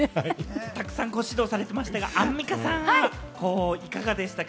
たくさんご指導されてましたが、アンミカさん、いかがでしたか？